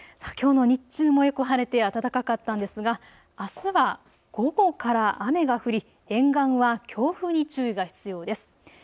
きょうの日中もよく晴れて暖かかったんですが、あすは午後から雨が降り沿岸は強風に注意が必要です。